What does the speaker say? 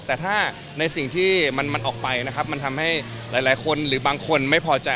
แต่ถ้าในสิ่งที่มันออกไปนะครับมันทำให้หลายคนหรือบางคนไม่พอใจ